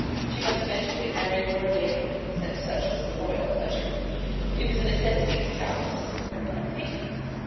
She must eventually marry Lord David, since such was the royal pleasure. It was a necessity, doubtless; but what a pity!